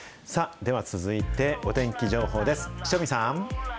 では続いて、お天気情報です。